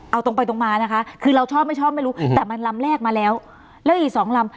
เอาตรงไปตรงมานะคะคือเราชอบไม่ชอบไม่รู้แต่มันลำแรกมาแล้วแล้วอีกสองลำ